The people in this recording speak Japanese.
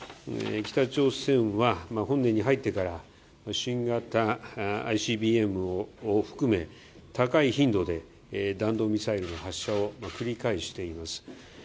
北朝鮮は本年に入ってから新型ＩＣＢＭを含め高い頻度で弾道ミサイルの発射を繰り返しています。